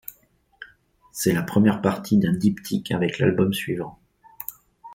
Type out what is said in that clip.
C'est la première partie d'un diptyque avec l'album suivant.